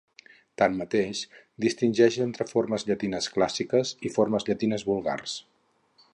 Tanmateix, distingeix entre formes llatines clàssiques i formes llatines vulgars.